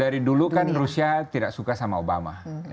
dari dulu kan rusia tidak suka sama obama